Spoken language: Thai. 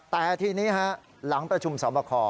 แต่ทีนี้ฮะหลังประชุมสอบคอ